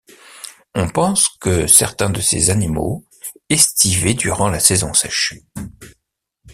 On pense que certains de ces animaux estivaient durant la saison sèche.